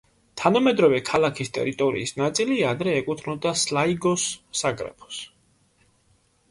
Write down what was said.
თანამედროვე ქალაქის ტერიტორიის ნაწილი ადრე ეკუთვნოდა სლაიგოს საგრაფოს.